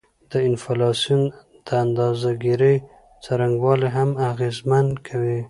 د انفلاسیون د اندازه ګيرۍ څرنګوالی هم اغیزمن کوي